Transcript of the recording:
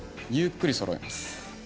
ゆっくりそろえます。